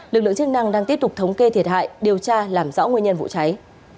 lực lượng chức năng đang tiếp tục thống kê thiệt hại điều tra làm rõ nguyên nhân vụ cháy